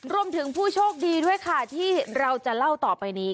ผู้โชคดีด้วยค่ะที่เราจะเล่าต่อไปนี้